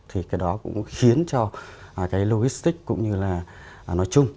thì cái đó cũng khiến cho cái logistic cũng như là nói chung